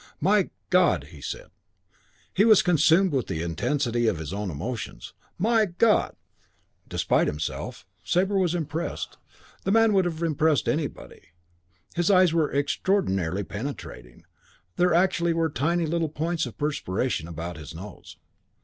"My God!" he said. He was consumed with the intensity of his own emotions. "My God!" Despite himself, Sabre was impressed. The man would have impressed anybody. His eyes were extraordinarily penetrating. There actually were tiny little points of perspiration about his nose.